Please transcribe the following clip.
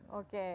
cepat sekali ya